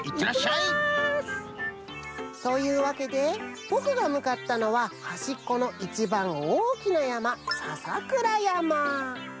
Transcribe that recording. いってきます！というわけでぼくがむかったのははしっこのいちばんおおきなやまささくらやま！